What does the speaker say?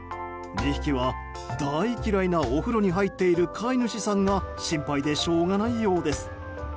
２匹は大嫌いなお風呂に入っている飼い主さんが心配でしょうがないようです。